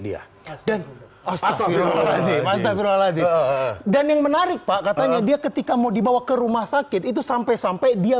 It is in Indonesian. dan yang menarik pak katanya dia ketika mau dibawa ke rumah sakit itu sampai sampai dia